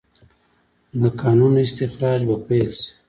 د کانونو استخراج به پیل شي؟